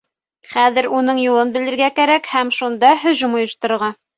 Хәҙер уның юлын белергә кәрәк һәм шунда һөжүм ойошторорға!